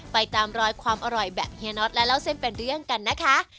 ไปตามรอยความอร่อยแบบเฮียน็อตและเล่าเส้นเป็นเรื่องกันนะคะ